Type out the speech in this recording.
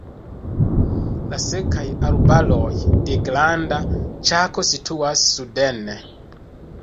La sekaj arbaroj de Granda Ĉako situas suden.